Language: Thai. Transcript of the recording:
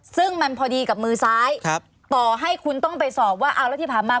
ซึ่งมันพอดีกับมือซ้ายต่อให้คุณต้องไปสอบว่าเอาแล้วที่ผ่านมา